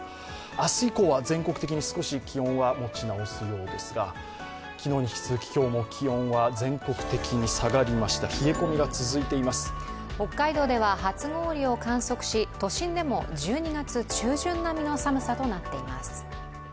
明日以降は全国的に少し気温は持ち直すようですが昨日に引き続き、今日も気温は全国的に下がりました、北海道では初氷を観測し都心でも１２月中旬並みの寒さとなっています。